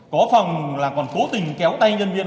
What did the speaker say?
có phòng là còn cố tình kéo tay nhân viên